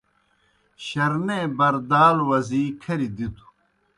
شرنے بَردالوْ وزی کھریْ دِتوْ۔